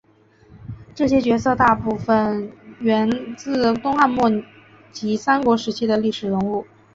这些角色大部份源自东汉末及三国时期的历史人物。